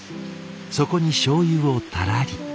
そこにしょうゆをたらり。